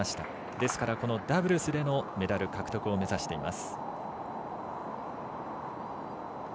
ですから、このダブルスでのメダル獲得を目指しています。